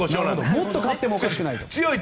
もっと勝ってもおかしくないと。